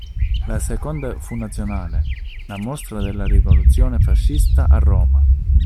La seconda fu nazionale, la Mostra della Rivoluzione fascista, a Roma.